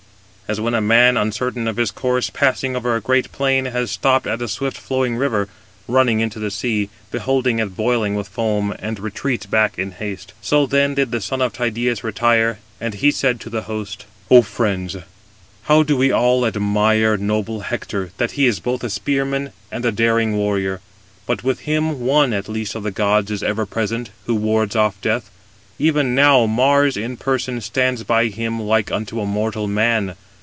As when a man, uncertain of his course, passing over a great plain, has stopped at a swift flowing river, running into the sea, beholding it boiling with foam, and retreats back in haste: so then did the son of Tydeus retire, and he said to the host: "O friends, how do we all admire noble Hector, that he is both a spearman and a daring warrior! But with him one at least of the gods is ever present, who wards off death; even now Mars in person stands by him like unto a mortal man.